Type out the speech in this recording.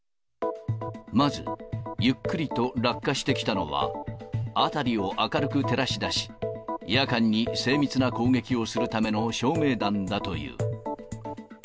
まずゆっくりと落下してきたのは、辺りを明るく照らし出し、夜間に精密な攻撃をするための照明弾だという。